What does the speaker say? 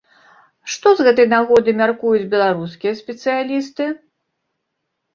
Што з гэтай нагоды мяркуюць беларускія спецыялісты?